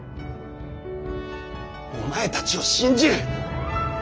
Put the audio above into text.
お前たちを信じる！